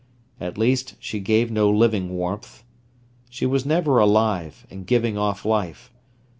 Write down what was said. At least, she gave no living warmth. She was never alive, and giving off life.